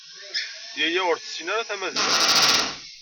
Yaya ur tessin ara tamaziɣt.